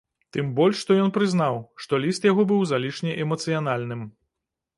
Тым больш што ён прызнаў, што ліст яго было залішне эмацыянальным.